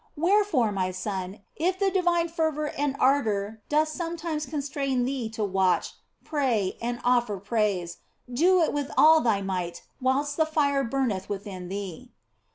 Where fore, my son, if the divine fervour and ardour doth sometimes constrain thee to watch, pray, and offer praise, do it with all thy might whilst the fire burneth within thee.